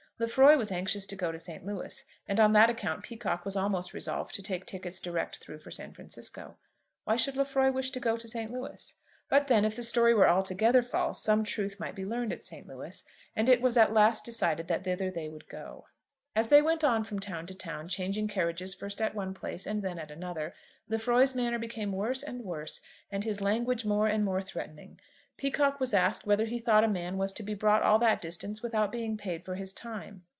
Lefroy was anxious to go to St. Louis, and on that account Peacocke was almost resolved to take tickets direct through for San Francisco. Why should Lefroy wish to go to St. Louis? But then, if the story were altogether false, some truth might be learned at St. Louis; and it was at last decided that thither they would go. As they went on from town to town, changing carriages first at one place and then at another, Lefroy's manner became worse and worse, and his language more and more threatening. Peacocke was asked whether he thought a man was to be brought all that distance without being paid for his time.